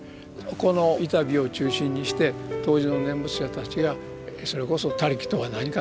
この板碑を中心にして当時の念仏者たちがそれこそ他力とは何かとかね